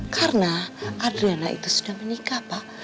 karena adriana itu sudah menikah pak